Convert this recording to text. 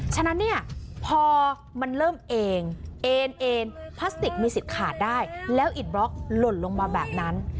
ฉะนั้นเนี่ยพอมันเริ่มเองเอ็นเอนพลาสติกมีสิทธิ์ขาดได้แล้วอิดบล็อกหล่นลงมาแบบนั้น